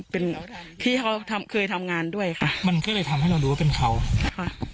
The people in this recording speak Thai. เป็นพี่เขาเคยทำงานด้วยค่ะมันก็เลยทำให้เรารู้ว่าเป็นเขาค่ะ